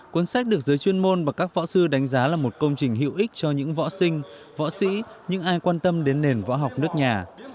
cuốn sách được giới chuyên môn và các võ sư đánh giá là một công trình hữu ích cho những võ sinh võ sĩ những ai quan tâm đến nền võ học nước nhà